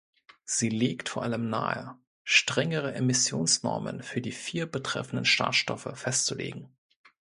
Sie legt vor allem nahe, strengere Emissionsnormen für die vier betreffenden Schadstoffe festzulegen.